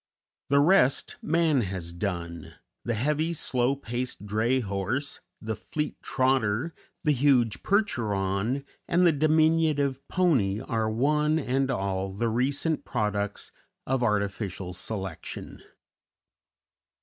The rest man has done: the heavy, slow paced dray horse, the fleet trotter, the huge Percheron, and the diminutive pony are one and all the recent products of artificial selection.